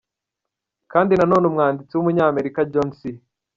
Kandi nanone umwanditsi w’Umunyamerika John C.